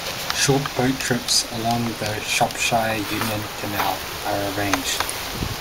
Short boat trips along the Shropshire Union Canal are arranged.